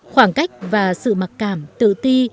khoảng cách và sự mặc cảm tự ti